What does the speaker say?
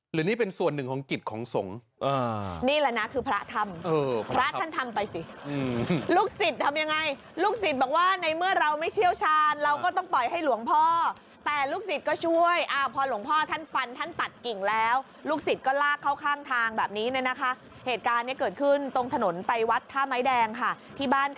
หรือนี่เป็นส่วนหนึ่งของกิจของสงฆ์นี่แหละนะคือพระทำพระท่านทำไปสิลูกศิษย์ทำยังไงลูกศิษย์บอกว่าในเมื่อเราไม่เชี่ยวชาญเราก็ต้องปล่อยให้หลวงพ่อแต่ลูกศิษย์ก็ช่วยพอหลวงพ่อท่านฟันท่านตัดกิ่งแล้วลูกศิษย์ก็ลากเข้าข้างทางแบบนี้เนี่ยนะคะเหตุการณ์เนี่ยเกิดขึ้นตรงถนนไปวัดท่าไม้แดงค่ะที่บ้าน